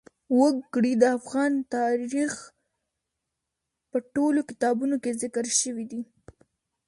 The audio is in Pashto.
وګړي د افغان تاریخ په ټولو کتابونو کې ذکر شوي دي.